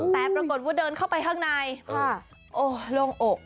แต่ปรากฏว่าเดินเข้าไปข้างในโอ้ลงอก